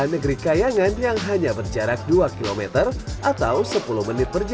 negeri kayangan yang hanya berjarak dua kilometer atau sepuluh menit per jam